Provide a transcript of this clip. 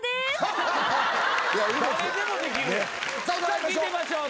さあ聞いてみましょう。